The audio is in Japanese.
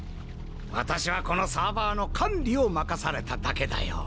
私はこのサーバーの管理を任されただけだよ。